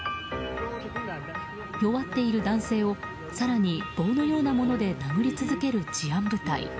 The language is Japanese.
弱っている男性を更に棒のようなもので殴り続ける治安部隊。